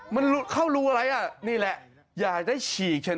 มันลุดเข้ารูอะไรนี่แหละอยากได้ฉีกใช่ไหม